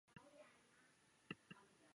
拉拉涅蒙泰格兰人口变化图示